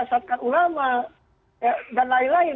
masyarakat ulama dan lain lain